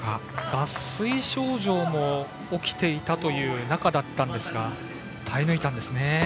脱水症状も起きていたという中だったんですが耐え抜いたんですね。